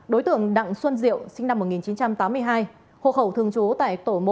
đối tượng đặng xuân diệu sinh năm một nghìn chín trăm tám mươi hai hộ khẩu thường trú tại tổ một